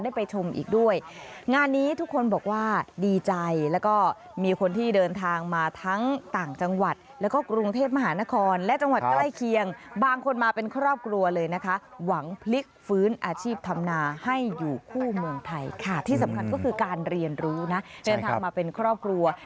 ไปชมอีกด้วยงานนี้ทุกคนบอกว่าดีใจแล้วก็มีคนที่เดินทางมาทั้งต่างจังหวัดแล้วก็กรุงเทพมหานครและจังหวัดใกล้เคียงบางคนมาเป็นครอบครัวเลยนะคะหวังพลิกฟื้นอาชีพธรรมนาให้อยู่คู่เมืองไทยค่ะที่สำคัญก็คือการเรียนรู้นะเดินทางมาเป็นครอบครัว